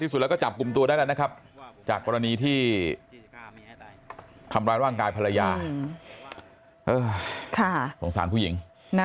สงสารผู้หญิง